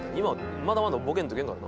まだまだボケんといかんからな。